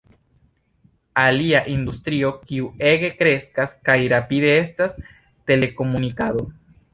Alia industrio kiu ege kreskas kaj rapide estas telekomunikado.